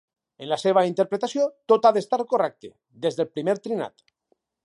En la seva interpretació tot ha d'estar correcte, des del primer trinat.